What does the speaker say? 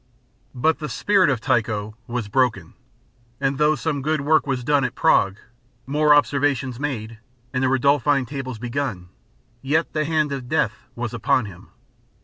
But the spirit of Tycho was broken, and though some good work was done at Prague more observations made, and the Rudolphine tables begun yet the hand of death was upon him.